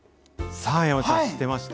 さあ山ちゃん、知ってました？